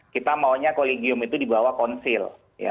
kita maunya kolegium itu di bawah konsil